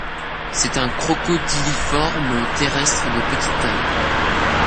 C'est un Crocodyliformes terrestre de petite taille.